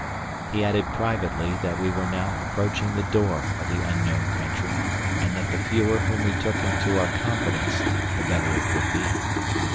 He added privately that we were now approaching the door of the unknown country, and that the fewer whom we took into our confidence the better it would be.